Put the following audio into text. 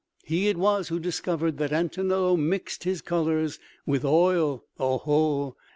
He it was who discovered that Antonello mixed his colors with oil. Oho!